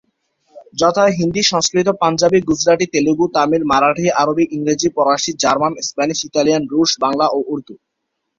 যথা হিন্দি, সংস্কৃত, পাঞ্জাবি, গুজরাটি, তেলুগু, তামিল, মারাঠি, আরবি, ইংরেজি, ফরাসি, জার্মান, স্প্যানিশ, ইতালিয়ান, রুশ, বাংলা ও উর্দু।